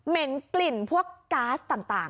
เห็นกลิ่นพวกก๊าซต่าง